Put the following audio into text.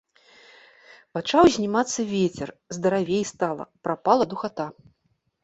Пачаў узнімацца вецер, здаравей стала, прапала духата.